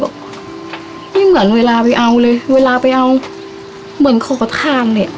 ไม่เหมือนเวลาไปเอาเลยเวลาไปเอาเหมือนขอทานเนี่ย